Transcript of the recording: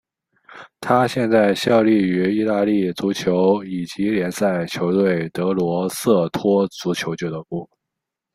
他现在效力于意大利足球乙级联赛球队格罗瑟托足球俱乐部。